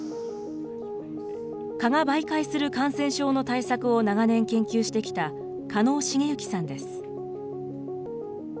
蚊が媒介する感染症の対策を長年研究してきた狩野繁之さんです。